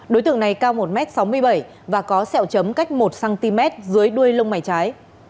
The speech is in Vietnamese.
đối tượng này cao một m sáu mươi bảy và có sẹo chấm cách một cm dưới đuôi lông mày trái